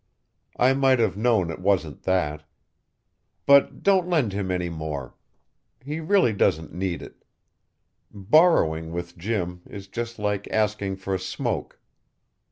I might have known it wasn't that. But don't lend him any more. He really doesn't need it. Borrowing with Jim is just like asking for a smoke.